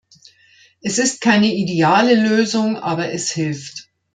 Es ist keine ideale Lösung, aber es hilft.